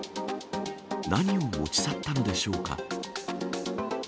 何を持ち去ったのでしょうか。